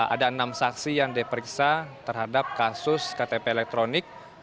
ada enam saksi yang diperiksa terhadap kasus ktp elektronik